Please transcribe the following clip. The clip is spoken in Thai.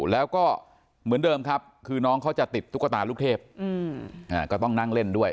แล้วก็เหมือนเดิมครับคือน้องเขาจะติดตุ๊กตาลูกเทพก็ต้องนั่งเล่นด้วย